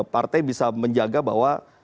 partai bisa menjaga bahwa